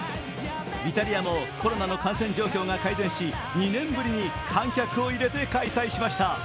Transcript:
イタリアもコロナの感染状況が改善し、２年ぶりに観客を入れて開催しました。